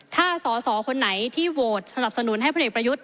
ถ้าสอสอคนไหนที่โหวตสนับสนุนให้พลเอกประยุทธ์